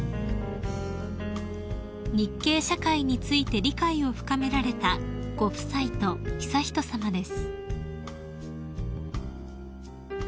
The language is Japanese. ［日系社会について理解を深められたご夫妻と悠仁さまです］